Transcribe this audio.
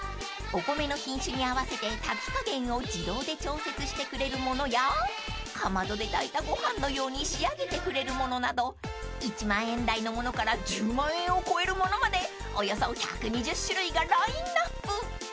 ［お米の品種に合わせて炊き加減を自動で調節してくれるものやかまどで炊いたご飯のように仕上げてくれるものなど１万円台のものから１０万円を超えるものまでおよそ１２０種類がラインアップ］